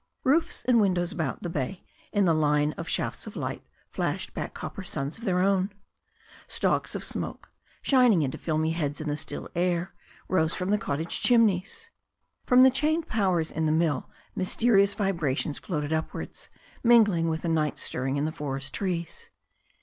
Roofs and windows about the Say in the line of shafts of light flashed back copper suns of their own. Stalks of smoke» spreading into filmy heads in the still air, rose from the cottage chimneys. From the chained powers in the mill mysterious vibrations floated upwards, mingling with the night stirring in the forest trees.